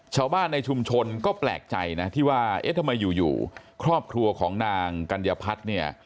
ชาวบ้านในชุมชนก็แปลกใจนะที่ว่าเอ๊ะทำไมอยู่อยู่ครอบครัวของนางกัญญพัฒน์เนี่ย